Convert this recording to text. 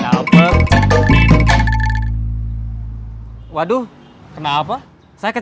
gimana tuh tau gimana kamu